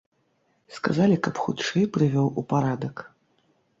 Сказалі, каб хутчэй прывёў у парадак.